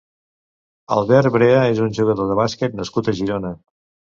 Albert Brea és un jugador de bàsquet nascut a Girona.